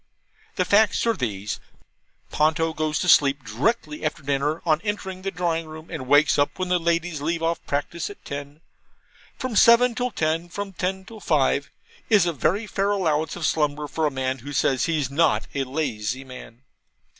The facts are these. Ponto goes to sleep directly after dinner on entering the drawing room, and wakes up when the ladies leave off practice at ten. From seven till ten, from ten till five, is a very fair allowance of slumber for a man who says he's NOT a lazy man.